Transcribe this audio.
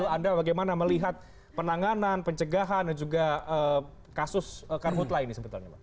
anda bagaimana melihat penanganan pencegahan dan juga kasus karbut lainnya sebetulnya